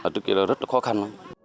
trước kia là rất là khó khăn